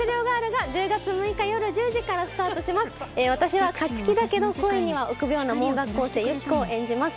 私は勝ち気だけど恋には臆病な盲学校生ユキコを演じます。